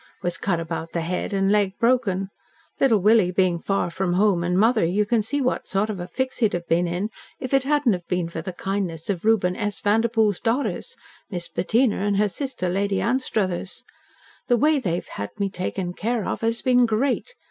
Was cut about the head and leg broken. Little Willie being far from home and mother, you can see what sort of fix he'd been in if it hadn't been for the kindness of Reuben S. Vanderpoel's daughters Miss Bettina and her sister Lady Anstruthers. The way they've had me taken care of has been great.